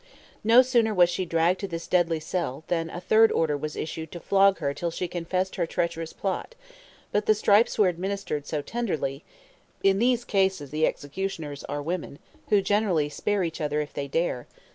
No sooner was she dragged to this deadly cell, than a third order was issued to flog her till she confessed her treacherous plot; but the stripes were administered so tenderly, [Footnote: In these cases the executioners are women, who generally spare each other if they dare.